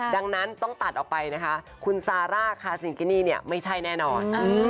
ดังนั้นต้องตัดออกไปนะคะคุณซาร่าคาซิงกินี่เนี่ยไม่ใช่แน่นอน